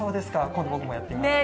今度僕もやってみます。